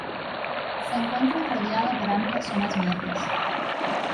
Se encuentra rodeado por amplias zonas verdes.